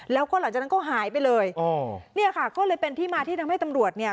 แล้วก็หลังจากนั้นก็หายไปเลยอ๋อเนี่ยค่ะก็เลยเป็นที่มาที่ทำให้ตำรวจเนี่ย